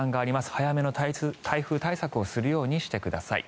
早めの台風対策をするようにしてください。